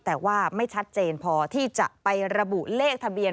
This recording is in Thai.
แต่ว่าไม่ชัดเจนพอที่จะไประบุเลขทะเบียน